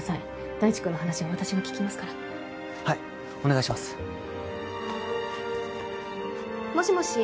大地君の話は私が聞きますからはいお願いしますもしもし？